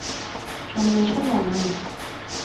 仲未出糧呀